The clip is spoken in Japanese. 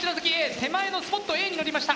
手前のスポットＡに乗りました。